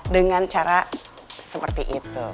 dengan cara seperti itu